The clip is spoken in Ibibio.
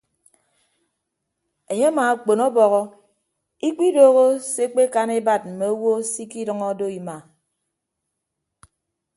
Enye amaakpon ọbọhọ ikpidooho se ekpekan ebat mme owo se ikidʌñọ do ema.